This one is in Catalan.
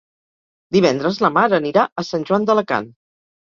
Divendres na Mar anirà a Sant Joan d'Alacant.